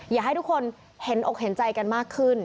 อยากให้ทุกคนเห็นอกเห็นใจกันมากขึ้น